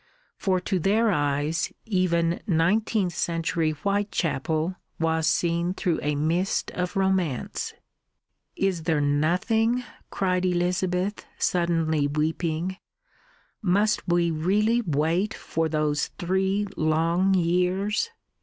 For to their eyes even nineteenth century Whitechapel was seen through a mist of romance. "Is there nothing?" cried Elizabeth, suddenly weeping. "Must we really wait for those three long years?